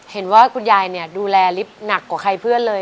เห็นว่าคุณยายเนี่ยดูแลลิฟต์หนักกว่าใครเพื่อนเลย